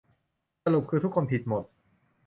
สรุปคือ ทุกคนผิดหมด